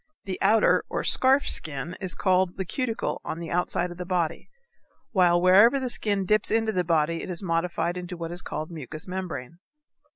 The outer or scarf skin is called the cuticle on the outside of the body, while wherever the skin dips into the body it is modified into what is called mucous membrane.